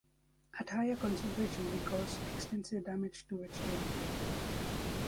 At higher concentrations they cause extensive damage to vegetation.